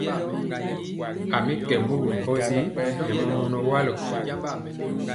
A mi kɛ mugɔ nkɔsi nɛ mɔmɔnɔ walɔ.